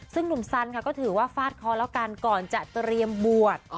ซึ่งหนุ่มสันค่ะก็ถือว่าฟาดคอแล้วกันก่อนจะเตรียมบวช